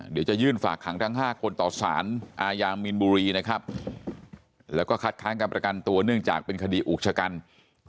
เดี๋ยวจะยื่นฝากขังทั้ง๕คนต่อสารอาญามีนบุรีนะครับแล้วก็คัดค้างการประกันตัวเนื่องจากเป็นคดีอุกชะกัน